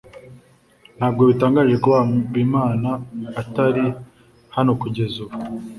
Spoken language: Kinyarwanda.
Ntabwo bitangaje kuba Habimana atari hano kugeza ubu?